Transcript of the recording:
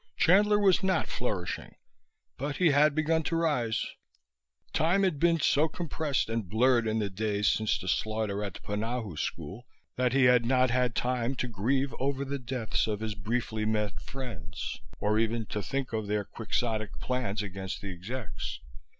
Chandler was not flourishing, but he had begun to rise. Time had been so compressed and blurred in the days since the slaughter at the Punahou School that he had not had time to grieve over the deaths of his briefly met friends, or even to think of their quixotic plans against the execs.